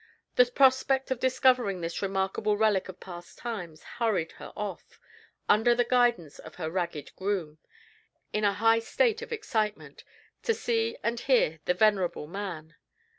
The prospect of discovering this remarkable relic of past times hurried her off, under the guidance of her ragged groom, in a high state of excitement, to see and hear the venerable man.